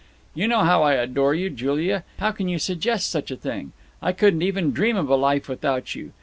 "You know how I adore you, Julia. How can you suggest such a thing? I couldn't even dream of a life without you.